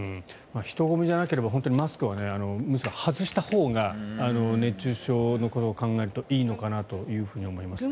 人混みじゃなければマスクはむしろ外したほうが熱中症のことを考えるといいのかなと思います。